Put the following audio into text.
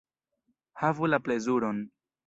Havu la plezuron.